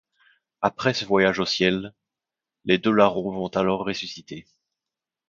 Après ce voyage au ciel, les deux larrons vont alors ressusciter.